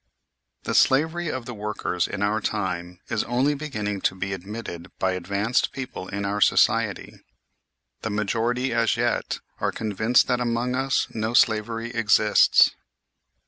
The slavery of the workers in our time is only beginning to be admitted by advanced people in our society ; the majority as yet are convinced that among us no slavery exists.